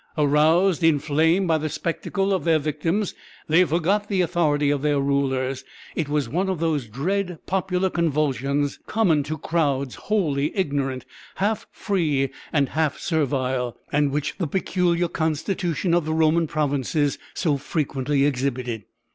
Aroused, inflamed by the spectacle of their victims, they forgot the authority of their rulers. It was one of those dread popular convulsions common to crowds wholly ignorant, half free and half servile, and which the peculiar constitution of the Roman provinces so frequently exhibited.